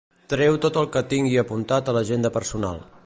Treu tot el que tingui apuntat a l'agenda personal.